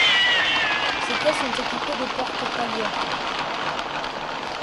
Ces quais sont équipés de portes palières.